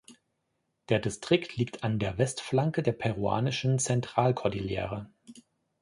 Der Distrikt liegt an der Westflanke der peruanischen Zentralkordillere.